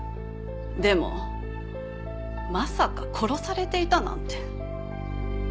でもまさか殺されていたなんて。